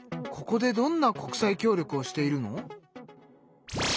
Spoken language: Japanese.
ここでどんな国際協力をしているの？